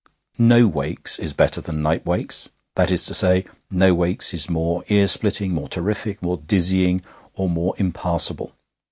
No Wakes is better than Knype Wakes; that is to say, no Wakes is more ear splitting, more terrific, more dizzying, or more impassable.